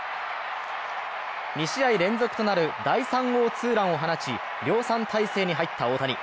２試合連続となる第３号ツーランを放ち量産体制に入った大谷。